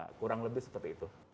kurang lebih seperti itu